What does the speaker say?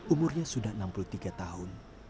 umurnya sudah enam puluh tiga tahun